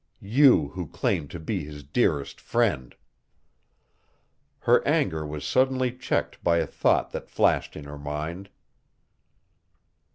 You, who claimed to be his dearest friend." Her anger was suddenly checked by a thought that flashed in her mind.